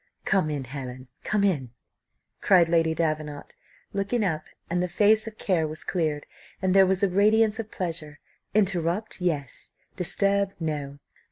"Come in, Helen, come in," cried Lady Davenant, looking up, and the face of care was cleared, and there was a radiance of pleasure "Interrupt yes: disturb no.